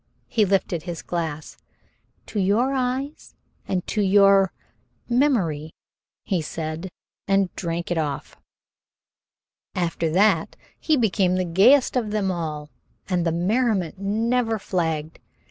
He lifted his glass. "To your eyes and to your memory," he said, and drank it off. After that he became the gayest of them all, and the merriment never flagged.